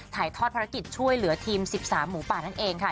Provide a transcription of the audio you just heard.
ถ่ายทอดภารกิจช่วยเหลือทีม๑๓หมูป่านั่นเองค่ะ